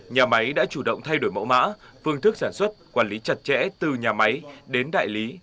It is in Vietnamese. nhà máy đã chủ động thay đổi mẫu mã phương thức sản xuất quản lý chặt chẽ từ nhà máy đến đại lý